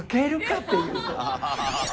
っていう。